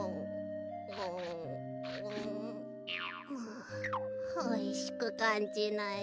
あおいしくかんじない。